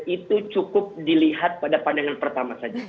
itu cukup dilihat pada pandangan pertama saja